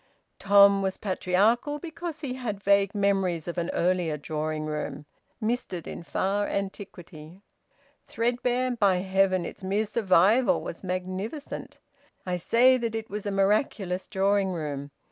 Tom was patriarchal because he had vague memories of an earlier drawing room, misted in far antiquity. Threadbare? By heaven, its mere survival was magnificent! I say that it was a miraculous drawing room.